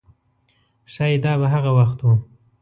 ښایي دا به هغه وخت و.